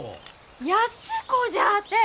安子じゃあてえ！